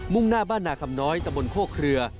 ่งหน้าบ้านนาคำน้อยตะบนโคกเคลือ